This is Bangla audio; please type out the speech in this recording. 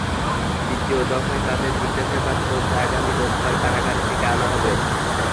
দ্বিতীয় দফায় তাঁদের জিজ্ঞাসাবাদ করতে আগামী রোববার কারাগার থেকে আনা হবে।